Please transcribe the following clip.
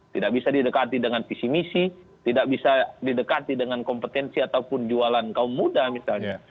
tidak bisa didekati dengan visi misi tidak bisa didekati dengan kompetensi ataupun jualan kaum muda misalnya